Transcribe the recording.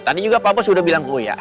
tadi juga pak bos udah bilang ke buya